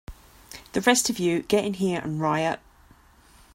The rest of you get in here and riot!